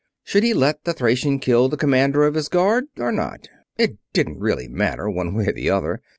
Should he let the Thracian kill the Commander of his Guard? Or not? It didn't really matter, one way or the other.